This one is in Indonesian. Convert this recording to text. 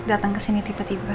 datang ke sini tiba tiba